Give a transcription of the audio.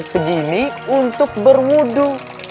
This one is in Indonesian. segini untuk berwudu